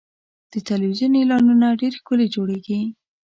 د تلویزیون اعلانونه ډېر ښکلي جوړېږي.